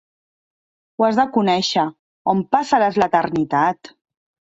Ho has de conèixer, on passaràs l'eternitat?